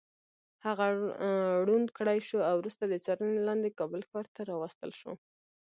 هغه ړوند کړی شو او وروسته د څارنې لاندې کابل ښار ته راوستل شو.